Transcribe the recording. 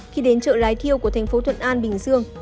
khi đến chợ lái thiêu của thành phố thuận an bình dương